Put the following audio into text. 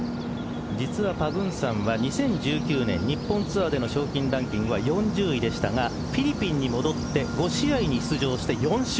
実はパグンサンは２０１９年日本ツアーでの賞金ランキングは４０位でしたがフィリピンに戻って５試合に出場して４勝。